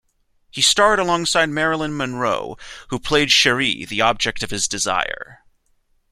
He starred alongside Marilyn Monroe, who played Cherie, the object of his desire.